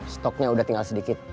stoknya udah tinggal sedikit